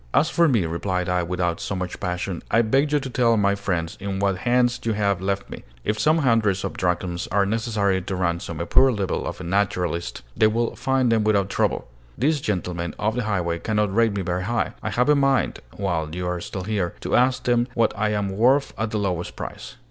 "As for me," replied I, without so much passion, "I beg you to tell my friends in what hands you have left me. If some hundreds of drachms are necessary to ransom a poor devil of a naturalist, they will find them without trouble. These gentlemen of the highway cannot rate me very high. I have a mind, while you are still here, to ask them what I am worth at the lowest price."